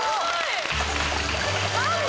何で？